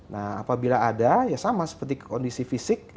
nah apabila ada ya sama seperti kondisi fisik